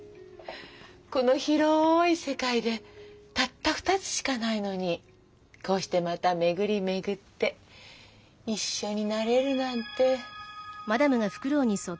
この広い世界でたった２つしかないのにこうしてまた巡り巡って一緒になれるなんて。